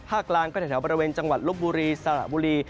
กลางก็แถวบริเวณจังหวัดลบบุรีสระบุรี